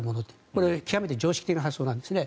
これは極めて常識的な発想なんですね。